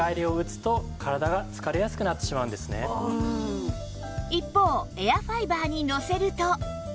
このように一方エアファイバーにのせると